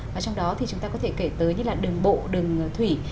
và trong đó thì chúng ta có thể kể tới như là đường bộ đường thủy